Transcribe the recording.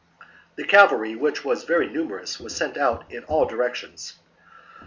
The cavalry, which was very numerous, was sent out in all directions.